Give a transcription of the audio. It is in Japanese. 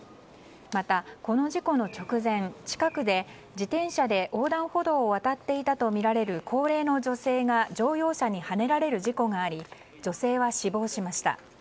またこの事故の直前近くで自転車で横断歩道を渡っていたとみられる高齢の女性が乗用車にはねられる事故があり女性は死亡しました。